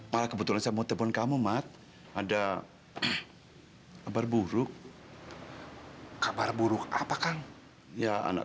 malah kebetulan saya mau telepon kamu mat ada kabar buruk kabar buruk apa kang ya anak